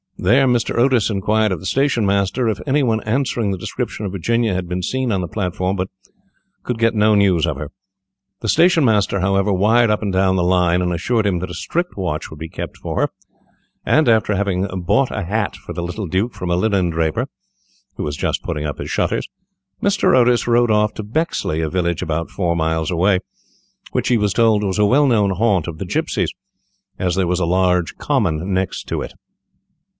There Mr. Otis inquired of the station master if any one answering to the description of Virginia had been seen on the platform, but could get no news of her. The station master, however, wired up and down the line, and assured him that a strict watch would be kept for her, and, after having bought a hat for the little Duke from a linen draper, who was just putting up his shutters, Mr. Otis rode off to Bexley, a village about four miles away, which he was told was a well known haunt of the gipsies, as there was a large common next to it.